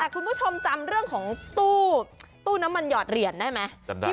แต่คุณผู้ชมจำเรื่องของตู้น้ำมันหอดเหรียญได้ไหม